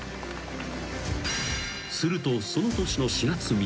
［するとその年の４月３日］